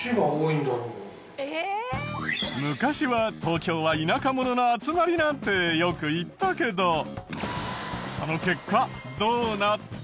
昔は東京は田舎者の集まりなんてよく言ったけどその結果どうなった？